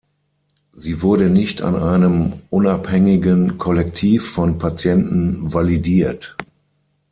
Sie wurde nicht an einem unabhängigen Kollektiv von Patienten validiert.